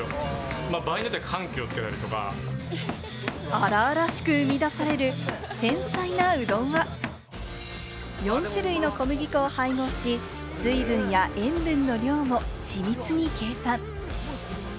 荒々しく生み出される繊細なうどんは、４種類の小麦粉を配合し、水分や塩分の量も緻密に計算。